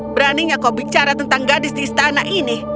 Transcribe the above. beraninya kau bicara tentang gadis di istana ini